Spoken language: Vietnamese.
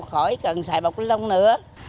khỏi cần xài bọc ni lông nữa